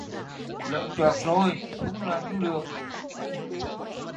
Lỡ choạc rồi, không làm không được